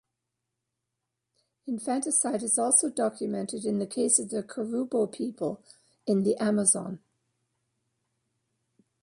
Infanticide is also documented in the case of the Korubo people in the Amazon.